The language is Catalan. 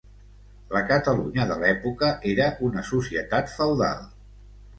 La Catalunya de l'època era una societat feudal.